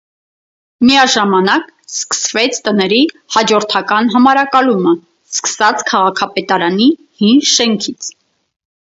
Միաժամանակ սկսվեց տների հաջորդական համարակալումը՝ սկսած քաղաքապետարանի հին շենքից։